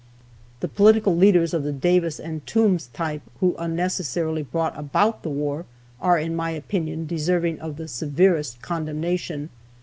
The political leaders of the Davis and Toombs type who unnecessarily brought about the war are, in my opinion, deserving of the severest condemnation.